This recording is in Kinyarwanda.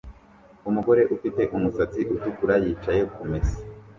Umugore ufite umusatsi utukura yicaye kumesa